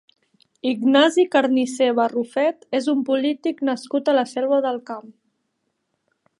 Ignasi Carnicer Barrufet és un polític nascut a la Selva del Camp.